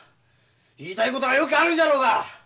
言いたいことはようけあるんじゃろうが！